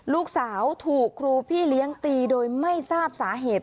ลูกสาวถูกครูพี่เลี้ยงตีโดยไม่ทราบสาเหตุ